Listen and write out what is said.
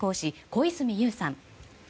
小泉悠さん。